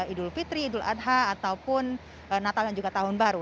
idul fitri idul adha ataupun natal dan juga tahun baru